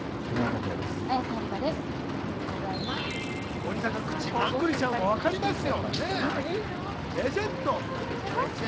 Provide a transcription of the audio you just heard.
森さんが口をあんぐりしちゃうのもわかりますよ。